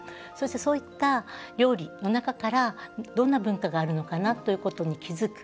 そういった料理の中からどんな文化があるのかなと気付く。